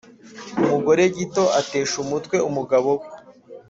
Umugore gito atesha umutwe umugabo we